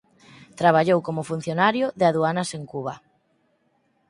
Traballou como funcionario de Aduanas en Cuba.